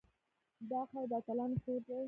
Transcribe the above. دا خاوره د اتلانو کور دی